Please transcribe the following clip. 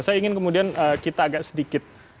saya ingin kemudian kita agak sedikit